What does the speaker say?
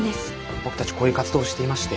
僕たちこういう活動をしていまして。